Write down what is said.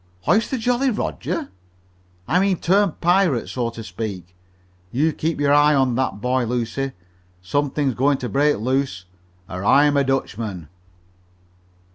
"Hoist the Jolly Roger?" "I mean turn pirate, so to speak. You keep your eye on that boy, Lucy. Something's going to break loose or I'm a Dutchman."